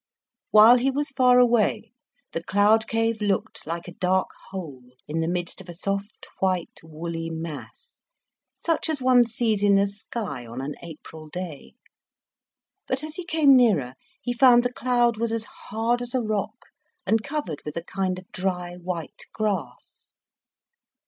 While he was far away the cloud cave looked like a dark hole in the midst of a soft, white, woolly mass, such as one sees in the sky on an April day; but as he came nearer he found the cloud was as hard as a rock, and covered with a kind of dry, white grass.